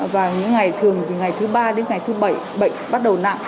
và những ngày thường từ ngày thứ ba đến ngày thứ bảy bệnh bắt đầu nặng